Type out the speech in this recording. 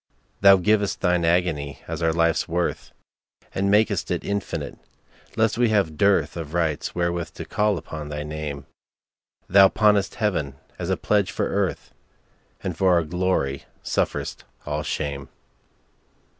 Thou giv'st Thine agony as our life's worth, And mak'st it infinite, lest we have dearthOf rights wherewith to call upon thy Name; Thou pawnest Heaven as a pledge for Earth, And for our glory sufferest all shame.